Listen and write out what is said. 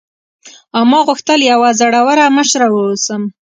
او ما غوښتل یوه زړوره مشره واوسم.